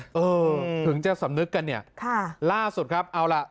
เออถึงจะสำนึกกันเนี่ยค่ะล่าสุดครับเอาล่ะ